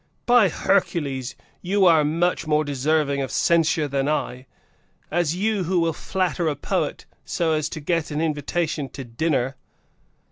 By Hercules, you are much more deserving of censure than I, you who will flatter a poet so as to get an invitation to dinner!"